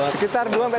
sekitar dua tiga menit